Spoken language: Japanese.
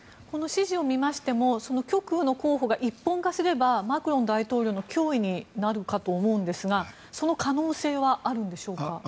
この支持を見ましても極右の候補が一本化すればマクロン大統領の脅威になると思うんですがその可能性はありますか。